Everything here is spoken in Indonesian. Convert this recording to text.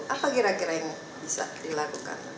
apa kira kira yang bisa dilakukan